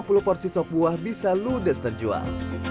juga ada porsi sop buah yang sudah terjual